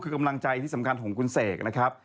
คือกำลังใจที่สำคัญของคุณเสกนะครับ